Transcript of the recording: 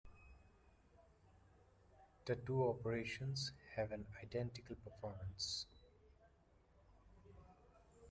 The two operations have an identical performance.